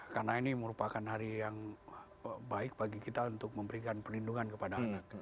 karena ini merupakan hari yang baik bagi kita untuk memberikan perlindungan kepada anak